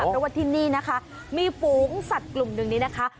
เพราะว่าที่นี่นะคะมีฝูงสัตว์กลุ่มหนึ่งนี้นะคะ